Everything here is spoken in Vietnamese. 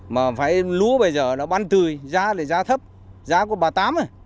mà phải lúa bây giờ nó băn tùy giá thì giá thấp giá của bà tám rồi